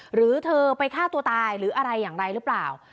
หรือเธอไปฆ่าตัวตายหรืออะไรอย่างไรหรือเปล่า